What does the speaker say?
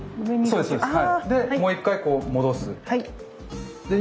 そうですそうです。